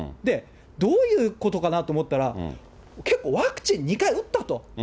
どういうことかなと思ったら、結構、ワクチン２回打ったと。